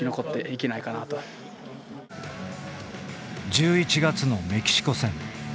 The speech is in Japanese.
１１月のメキシコ戦。